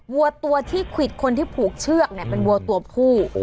วัวตัวที่ผลิตต์คนที่ผูกเชื่อกนะมันวัวตัวผู้